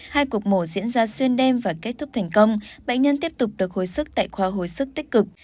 hai cuộc mổ diễn ra xuyên đêm và kết thúc thành công bệnh nhân tiếp tục được hồi sức tại khoa hồi sức tích cực